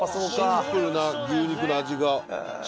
シンプルな牛肉の味が。